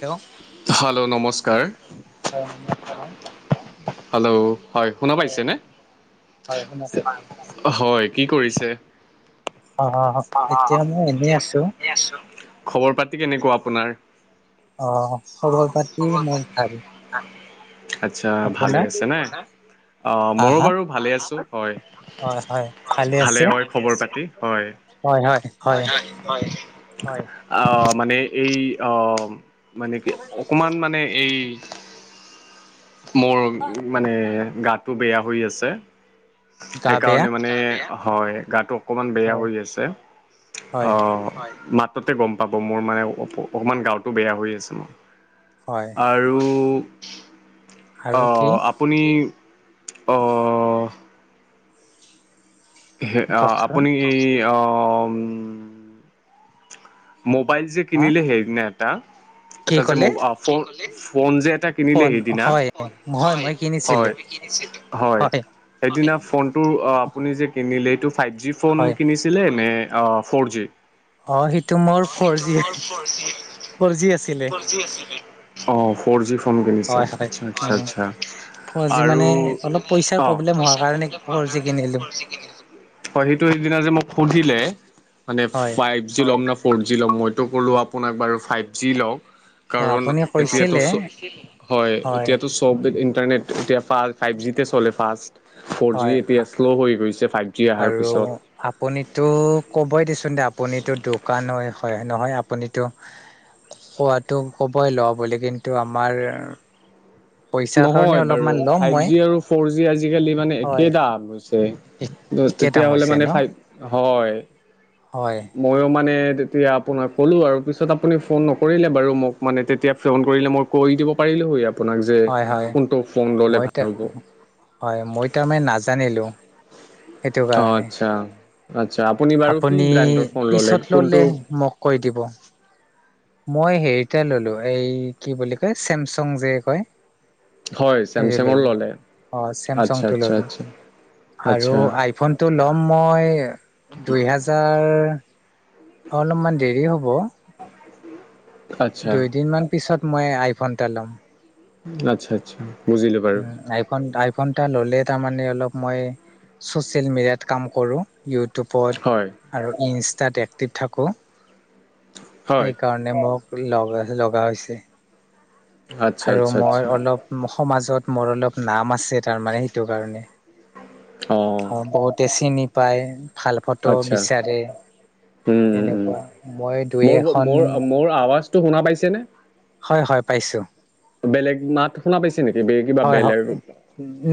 Hello. Hello. নমস্কাৰ, হ [unintelligible] hello. হয় শুনা পাইছে নে? হয় শুনা পাইছোঁ। হয়, কি কৰিছে? অ' এতিয়া মই এনেই আছোঁ খবৰ-পাতি কেনেকুৱা? াৰ অ' খবৰ পাতি মোৰ ভাল। [unintelligible] [unintelligible] আচ্ছা। ভালে আপোনাৰ? আছে ন? অ' হা ময়ো হা বাৰু ভালে আছো। হয়, হয় হয় ভালে আছে হয় খবৰ পাতি হয়। হয় হয় হয় হয়। আহ' মানে এই মানে কি অকণমান মানে এই মোৰ মানে গাটো বেয়া হৈ আছে। গা বেয়া সেইকাৰণে মানে হয় গাটো অকমান বেয়া হয় হৈ আছে অ হয় হাততে গম পাব মোৰ মানে অ অকমান গাঁৱতো বেয়া হৈ আছে মোৰ। হয় আৰু আৰু কি আহ' আপুনি আহ। হ কওকচোন 'আপুনি এই ম'বাইল যে হা কিনিলে সেইদিনা কি এটা যে ক'লে ফ ফোন যে কিনিলে ফোন সেইদিনা হয় হয় মই কিনিছিলোঁ হয় সেইদিনা ফোনটো অ আপুনি যে কিনিলে এইটো ফাইভ জি ফোন হয়। কিনিছিলে নে ফৰ জি? অ' সেইটো মোৰ অহ ফ'ৰ সেইটো জি মোৰ ফ'ৰ জি আছিলে ফৰ যি। কম কিনিছে হয় হয়। আচ্ছা, আচ্ছা, অ' আচ্ছা ফ'ৰ জি আৰু মানে অলপ পইচাৰ অঁ প্ৰব্লেম হোৱাৰ কাৰণে ফ'ৰ জি কিনিলোঁ ম শিকি [unintelligible] হয়। সেইটো সেইদিনা যে মোক সুধিলে মানে হয়। ফাইভ জি লম নে। ফ'ৰ জি ল'ম মইতো ক'লোঁ আপোনাক বাৰু ফাইভ জি লওক। অ কাৰণ আপুনি এতিয়া তো কৈছিলে হয় এতিয়ো চব ইন্টাৰনেট এতিয়া ফ ফাইভ জিতে চলে ফাষ্ট। ফ'ৰ জি হয়। এতিয়া শ্ল' হৈ গৈছে ফাইভ জি অহাৰ আৰু পিছত আপুনিতটো কবই দিচোন দে আ। আপুনিতটো দোকানই হয়। নহয় আপুনিতো কোৱাটো ক'বই ল বুলি। কিন্তু, আমাৰ পইচাৰ কাৰণে নহয় বাৰু, অলপমান ল'ম ফাইভ মই জি আৰু ফৰ জি আজিকালি মানে হয় একে দাম হৈছে। একে দাম তেতিয়াাহ'লে হৈছে মানে ন ফাই হয় হয় মইয়ো মানে তেতিয়া আপোনাক ক'লো আৰু পিছত আপুনি ফোন নকৰিলে বাৰু, মোক মানে তেতিয়া ফোন কৰিলে মই কৈ দিব পাৰিলো। আপোনাক। যে হয়, হয়, কোনটো ফোন ল'লে মই ভাল হ'ব হয় মই তাৰমানে নাজানিলো। সেইটো কাৰণে অ'আচ্ছা। আপুনি পিছত ললে মোক কৈ দিব। মই হেৰিতে ললো, এই কি বুলি কয় চেমচং যে কয়। হয় সেই চেমচাঙৰ ললো ল'লে অ চামচং আচ্ছা টো আচ্ছা ললো। আচ্ছা আৰু আচ্ছা আইফোনটো ল'ম মই, দুই হাজাৰ। অলপমান দেৰি হ'ব। আচ্ছা দুইদিন মান পিছত মই আইফোন এটা ল'ম। আচ্ছা, আচ্ছা। বুজিলোঁ বাৰু উফ আইফোনটা ল'লে তাৰমানানে অলপ মই চচিয়েল মিডিয়াত কাম কৰো হয় ইউটিউবত আৰু ইন। তাত এক্টিভ থাকোঁ হয় সেইকাৰণে মোক লগা লগা হৈছে। আচ্ছা আৰু আচ্ছা আচ্ছা মই অলপ। সমাজত মোৰ অলপ নাম আছে তাৰমানানে সেইটো কাৰণে অঁ অ বহুতে। চিনি পাই ভাল ফটো আচ্ছা বিচাৰে। উম উম উম তেনেকুৱা মই দুই এখন। টো শুনা পাইছে নে? হয় হয় পাইছো বেলেগ মাত শুনা পাইছে। নেকি বে কিবা হয় হয় বেলেগ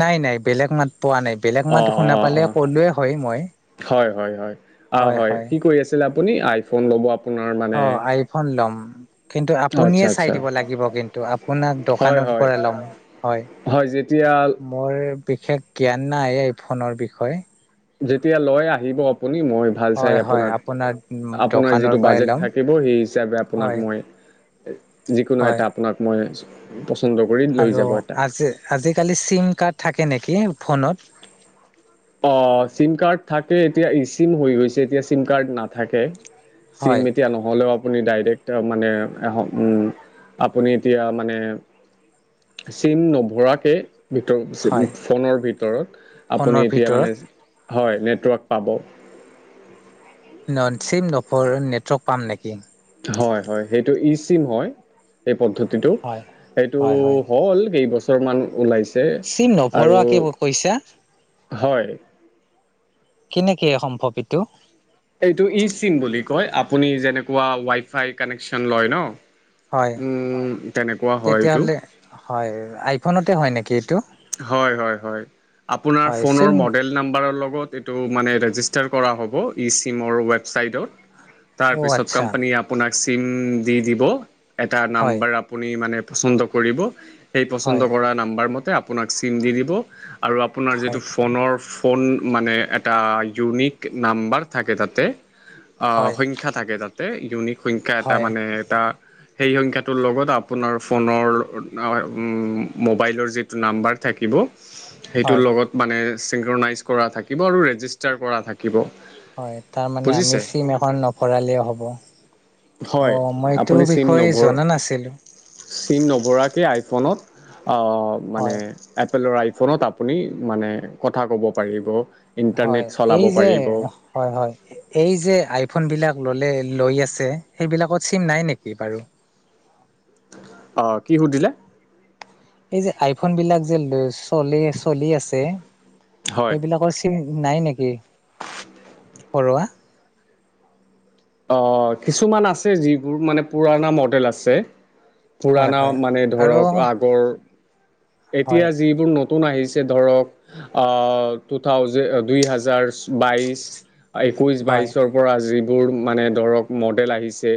নাই নাই বেলেগ মাত। পোৱা নাই বেলেগ অ মাত অ শুনা অ পালে অ ক'লোৱে হয় মই। হয় হয় হয় অ হয় কি কৰি আছিল আপুনি আইফোন ল'ব আপোনাৰ। মানে অ আইফোন ল'ম। কিন্তু আচ্ছা আপুনিয়ে চাই আচ্ছা দিব লাগিব কিন্তু আপোনাক হয় দোকানৰ হয় পৰা লম হয়। মোৰ বিশেষ জ্ঞান নাই এই ফোনৰ বিষয়ে। যেতিয়া লয় আহিব আপুনি মই ভাল চাই হয় হয় আপোনাক। আপোনাৰ আপোনাৰ দোকানৰ যিটো পৰাই বাজেট ল'ম থাকিব সেই হিচাপে আপোনাক হয় মই। যিকোনো হয় এটা আপোনাক মই। পচন্দ কৰি লৈ আৰু যাব এটা আজ আজিকালি চিম কাৰ্ড থাকে নেকি ফোনত। অ চিম কাৰ্ড থাকে এতিয়া ই চিম হৈ গৈছে এতিয়া চিম কাৰ্ড নাথাকে। চিম হয় এতিয়া নহলেও। আপুনি ডাইৰেক্ট মানে আপুনি এতিয়া মানে। চিম নভৰাকে। ভিতৰত হয় ফোনৰ ভিতৰত ফোনৰ আপুনি এতিয়া ভিতৰত মানে। হয় নেটৱৰ্ক পাব। ন চিম নভৰ নেটৱৰ্ক পাম নেকি? হয় হয় সেইটো ই চিম হয় সেই পদ্ধতি। টো হয়, সেইটো হয়, হয় হ'ল কেইবছৰ মান ওলাইছে। চিম আৰু নভৰুৱাকে কৈছা। হয় কেনেকে সম্ভৱ এইটো। এইটো ই চিম বুলি কয় আপুনি যেনেকুৱা ৱাই ফাই কানেকচন লয় ন হয় উম তেনেকুৱা হয় এইটো তেতিয়াহ'লে হয় আইফোনতে হয় নেকি এইটো হয়, হয়, হয়, হয় আপোনাৰ হয় ফোনৰ চিম মডেল লগ এইটো মানে ৰেজিষ্টাৰ কৰা হ'ব ই চিমৰ ৱেবচাইটত। তাৰ অ' পাছত আচ্ছা কম্পেনী আহোঁ খি চিমএইবাৰ হয়, পদটো পচন্দ কৰিব সেই হয়, পচন্দ কৰা নাম্বাৰ মতে আপোনাক চিম দি দিব আৰু আপোনাৰ যিটো হয়, ফোনৰ ফোন মানে এটা ইউনিক নাম্বাৰ থাকে তাতে হয়, সংখ্যা থাকে যাতে ইউনিক সংখ্যা এটা হয়, মানে এটা সেই সংখ্যাটোৰ লগত আপোনাৰ ফোনৰ মোবাইলৰ যি টো নাম্বাৰ থাকিব সেইটোৰ হয়, লগত মানে চিংক্ৰনাইজ কৰা থাকিব আৰু ৰেজিষ্টাৰ কৰা থাকিব হয় তাৰ মানে আমি বুজিছে চিম এখন নভৰালেও হ'ব। হয় অ' মই এইটো আপুনি চিম বিষয়ে নভৰ জনা নাছিলোঁ। চিম নভৰাকে আইফোনত। আহ মানে হয়, এপেলৰ আইফোনত আপুনি মানে কথা কব পাৰি। হয় এই যে হয় হয় এই যে আইফোন বিলাক ললে লৈ আছে সেইবিলাকত চিম নাই নেকি বাৰু আহ কি সুধিলে এই যে আইফোন বিলাক যে চল চলি আছে সেইবিলাকৰ চিম নাই নেকি! উম! পৰুৱা অঁ কিছুমান আছে যিবোৰ মানে পুৰণা মডেল আছে--! হয় পুৰণা হয় মানে আৰু ধৰক আগৰ এতিয়া হয় যিবোৰ নতুন আহিছে ধৰক অঁ টুথাউজেনদ দুহেজাৰ বাইচ্। একৈছ হয় বাইছৰ পৰা যিবোৰ মানে ধৰক মডেল আহিছে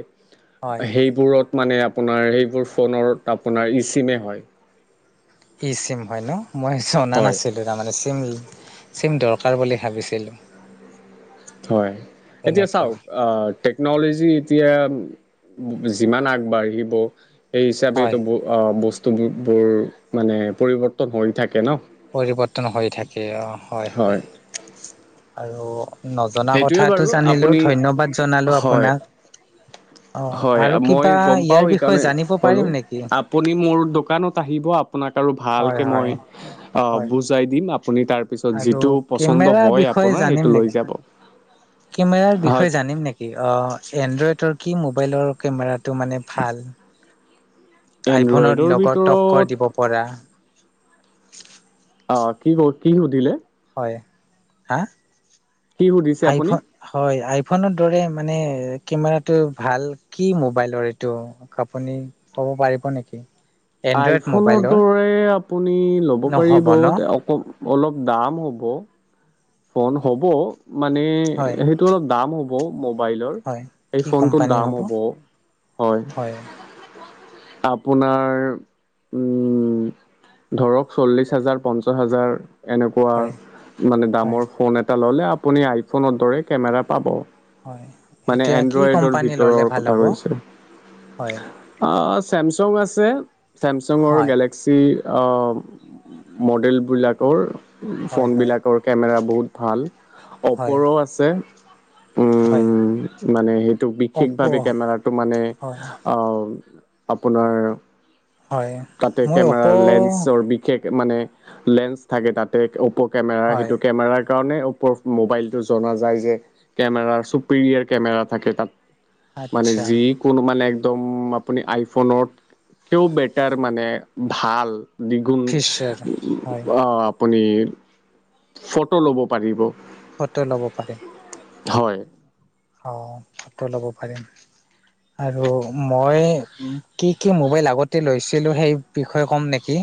হয় সেইবোৰত মানে আপোনাৰ সেইবোৰ ফনৰ আপোনাৰ ই চিমেই হয় ই চিম হয় ন মই জনা হয় নাছিলো তাৰমানে চিম চিম দৰকাৰ বুলি ভাবিছিলোঁ। হয় এতিয়া তেনেকুৱা চাওঁক আহঁ। টেকনলজি এতিয়া যিমান আগবাঢ়িব। এই হিচাপেইতো হয় ব বস্তুববোৰ মানে পৰিৱৰ্তন হৈ থাকে ন। পৰিৱৰ্তন হৈ থাকে অঁ হয় হয় আৰু নজনা সেইটোৱে কথাতটো বাৰু জানিলো আপুনি ধন্যবাদ জনালো হয় আপোনাক। অ হয় আৰু মই কিবা গম পাওঁ ইয়াৰ সেইকাৰণে বিষয়ে জানিব কলো পাৰিম নেকি আপুনি মোৰ দোকানত আহিব। আপোনাক! ভ হয় মই হয় অঁ হয় বুজাই দিম আপুনি তাৰ পিছত আৰু যিটো পছন্দ কেমেৰাৰ হয় বিষয়ে আপোনাৰ। জানিম সেইটো লৈ নেকি যাব। কেমেৰাৰ হয় বিষয়ে জানিম নেকি অঁ এনড্ৰইড কি মোবাইলৰ কেমেৰাটো মানে ভাল। আইফোনৰ এনড্ৰইডৰ লগত ভিতৰত টক্কৰ দিব পৰা। অঁ কি ক কি সুধিলে? হয় হাঁ। কি সুধিছে আপুনি আইফন হয়। আইফণৰ দৰে মানে কেমেৰা টো ভাল কি মোবাইলৰ আপুনি কওঁক। ক'ব পাৰিব নেকি! এনড্ৰইড আইফোনৰ মোবাইলৰ দৰে আপুনি ল'ব নহ'ব পাৰিব ন অঁ অলপ দাম হ'ব। ফোন হ'ব মানে হয় সেইটো অলপ দাম হ'ব। মবাইল ৰ হয় সেই কি ফোনটো কোম্পানী দাম হ'ব। হয় আপোনাৰ উমম ধৰক চল্লিশ হাজাৰ পঞ্চাশ হাজাৰ এনেকুৱা হয় মানে হয় দামৰ ফোন এটা ল'লে আপুনি আইফোনৰ দৰে কেমেৰা পাব হয় মানে এতিয়া কি এনড্ৰইডৰ কোম্পানী ল'লে ভিতৰৰ ভাল কথা হ'ব কৈছোঁ হয় আহ চেমচং আছে চেমচঙৰ হয় গেলেক্সি অ মডেলবিলাকৰ হয় হয় ফোনবিলাকৰ কেমেৰা বহুত ভাল হয় অপৰ আছে হয় উম, মানে সেইটো অপ' বিশেষভাৱে কেমেৰাটো মানে, হয় অহ আপোনাৰ হয় তাতে মই অপ' কেমেৰাৰ লেন্সৰ বিশেষ মানে লেন্স থাকে তাতে অপ' কেমেৰা হয় সেইটো কেমেৰাৰ কাৰণে অপৰ মোবাইলটো জনা যায় যে কেমেৰাৰ চুপিৰিয়েৰ কেমেৰা থাকে তাত মানে আচ্ছা যি কোনো মানে একদম আপুনি আইফোনত কেও বে তাৰ মানে ভাল দুগুণ ফিচাৰ হয় অ আপুনি ফটো ল'ব পাৰিব ফটো ল'ব পাৰিম হয় অঁ ফটো ল'ব পাৰিম আৰু মই কি কি মোবাইল আগতে লৈছিলোঁ সেই বিষয়ে ক'ম নেকি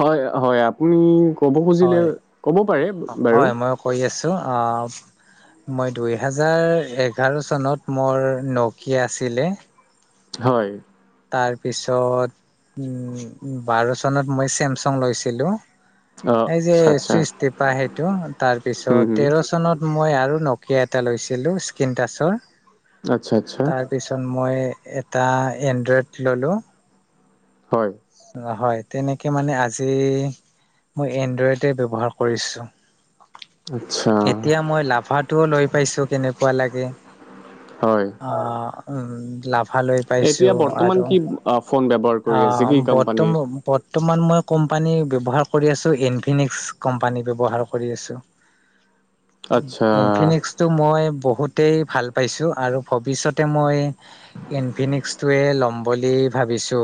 হয় হয় আপুনি, ক'ব খুজিলে হয় ক'ব পাৰে বাৰু। ত আ মই দুই হেজাৰ এঘাৰ চনত মোৰ নকিয়া‌ আছিলে হয়। তাৰপিছত বাৰ চনত মই চেমচং লৈছিলোঁ। অঁ এই যে আচ্ছা আচ্ছা চুইচ টিপা সেই টো হুম তাৰপিছত হুম তেৰ চনত মই আৰু নকিয়া এটা লৈছিলো স্কিন টাচৰ। আচ্ছা আচ্ছা। তাৰপিছত মই এটা এনড্ৰইড ল'লোঁ, হয়। হয় তেনেকে মানে আজি মই এনড্ৰইডে ব্যৱহাৰ কৰিছোঁ। আচ্ছা এতিয়া মই লাভাটোও লৈ পাইছোঁ কেনেকুৱা লাগে, হয় আহ উম লা ভা লৈ পাইছোঁ এতিয়া বৰ্তমান আৰু কি আ, ফোন ব্যৱহাৰ কৰি আছে আহ কি বৰ্ত কোম্পানীৰ বৰ্তমান মই কোম্পানী ব্যৱহাৰ কৰি আছোঁ ইনফিনিক্স কোম্পানী ব্যৱহাৰ কৰি আছোঁ। আচ্ছা ইনফিনিক্স টো মই ব বহুতেই ভাল পাইছোঁ আৰু ভৱিষ্যতে মই ইনফিনিক্সটোৱে ল'ম বুলি ভাবিছোঁ।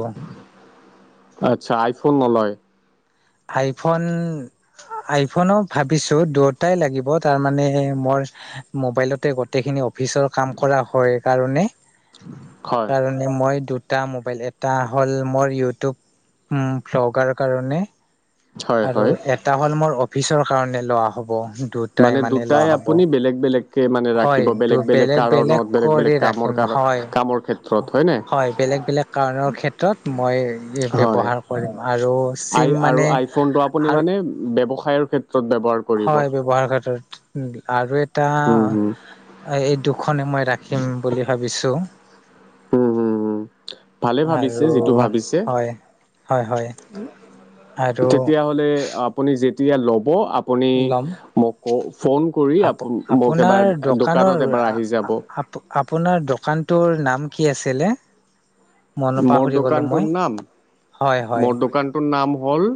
আচ্ছা আইফোন নলয় আইফোন আইফনো ভাবিছোঁ দুয়োটাই লাগিব তাৰ মানে সেই মোৰ মবাইলতে গোটেইখিনি অফিচৰ কাম কৰা হয় কাৰণে হয় কাৰণে মই দু টা মোবাইল এটা হ'ল মোৰ ইউটিউব ভ্লগাৰ কাৰণে হয় আৰু হয় এটা হ'ল মোৰ অফিচৰ কাৰণে লোৱা হ'ব দুটা মানে ইমানে দুটাই লোৱা হ'ব। আপুনি বেলেগ বেলেগকে মানে হয় ৰাখিব বেলেগ বেলেগ কাৰণত কৰি বেলেগ কামৰ ৰাখিম কাৰণ হয় কামৰ ক্ষেত্ৰত হয়নে হয় বে বেলেগ বেলেগ কাৰণৰ ক্ষেত্ৰত মই হয় ব্যৱহাৰ কৰিম আৰু আই চিম আৰু মানে আইফোনটো আপুনি আৰু মানে ব্যৱসায় হয় ব্যৱসায় ক্ষেত্ৰত। আৰু এটা হুম হুম এই দুখনে মই ৰাখিম বুলি ভাবিছো। উম হম হম ভালে ভাবিছে আৰু যিটো ভাবিছে। হয় হয় হয় আৰু তেতিয় হ'লে আপুনি যেতিয়া ল'ব আপ। আপনি ল'ম মোক ফোন কৰি আপ মোক আপোনাৰ এবাৰ দোকানৰ দোকানত এবাৰ আহি যাব। আপোনাৰ দোকানটোৰ নাম কি আছিলে? মনত মোৰ পাহৰি গলো দোকানটোৰ মই নাম? হয় হয় মোৰ দোকানটোৰ নাম অল।